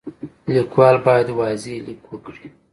لیکوال باید واضح لیک وکړي.